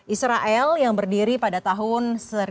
israel yang berdiri pada tahun seribu sembilan ratus sembilan puluh